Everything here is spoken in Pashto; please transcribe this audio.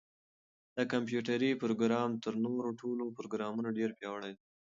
دا کمپیوټري پروګرام تر نورو ټولو پروګرامونو ډېر پیاوړی دی.